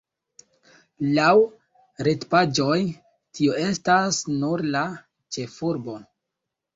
Laŭ retpaĝoj, tio estas nur la ĉefurbo.